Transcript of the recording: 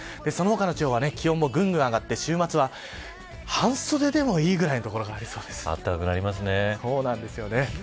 その他の地方は気温もぐんぐん上がって週末は半袖でもいいくらいの所がありそうです。